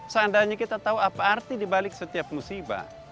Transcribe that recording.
seandainya kita tahu apa arti di balik setiap musibah